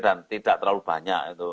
dan tidak terlalu banyak